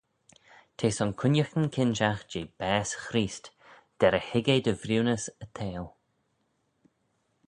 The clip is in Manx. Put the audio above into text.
T'eh son cooinaghtyn kinjagh jeh baase Chreest, derrey hig eh dy vriwnys y theihll.